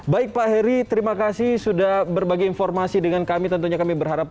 baik pak heri terima kasih sudah berbagi informasi dengan kami tentunya kami berharap